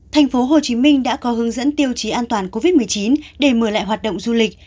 thành phố hồ chí minh đã có hướng dẫn tiêu chí an toàn covid một mươi chín để mở lại hoạt động du lịch